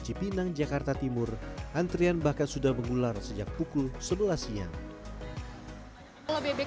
cipinang jakarta timur antrian bahkan sudah menggular sejak pukul dua belas siang kalau bebek